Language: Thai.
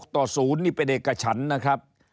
ต่อ๐นี่เป็นเอกฉันนะครับ